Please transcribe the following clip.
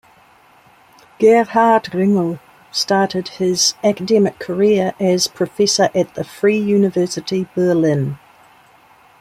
Gerhard Ringel started his academic career as professor at the Free University Berlin.